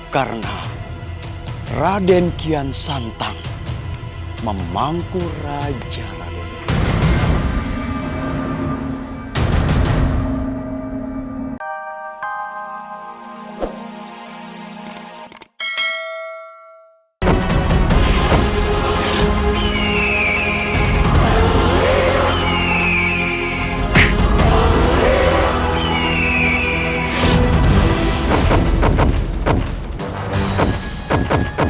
karena raden kian santang memangku raja raden kian